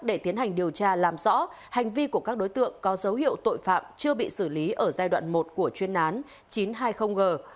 để tiến hành điều tra làm rõ hành vi của các đối tượng có dấu hiệu tội phạm chưa bị xử lý ở giai đoạn một của chuyên án chín trăm hai mươi g